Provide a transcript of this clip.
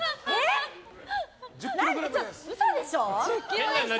嘘でしょ！